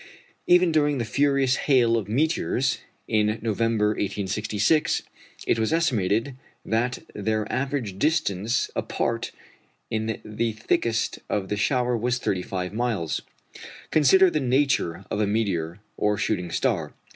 Even during the furious hail of meteors in November 1866 it was estimated that their average distance apart in the thickest of the shower was 35 miles. Consider the nature of a meteor or shooting star.